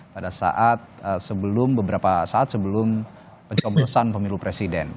pada beberapa saat sebelum pencomprosan pemilu presiden